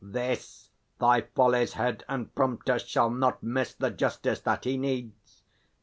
This Thy folly's head and prompter shall not miss The justice that he needs!